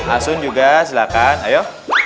asun juga silahkan ayo